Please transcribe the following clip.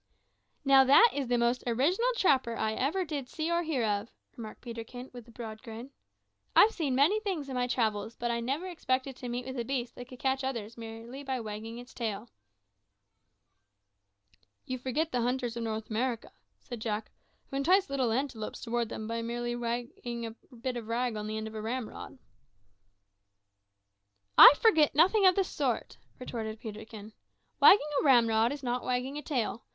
"Now, that is the most original trapper I ever did see or hear of," remarked Peterkin, with a broad grin. "I've seen many things in my travels, but I never expected to meet with a beast that could catch others by merely wagging its tail." "You forget the hunters of North America," said Jack, "who entice little antelopes towards them by merely wagging a bit of rag on the end of a ramrod." "I forget nothing of the sort," retorted Peterkin. "Wagging a ramrod is not wagging a tail.